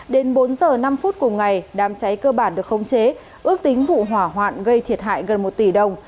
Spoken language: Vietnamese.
đến bốn h năm phút cùng ngày đám cháy cơ bản được không chế ước tính vụ hỏa hoạn gây thiệt hại gần một tỷ đồng